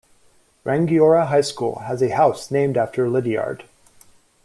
Rangiora High School has a house named after Lydiard.